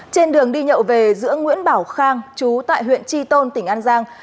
trên đường đi nhậu về giữa nguyễn bảo khang chú tại huyện tri tôn tỉnh an giang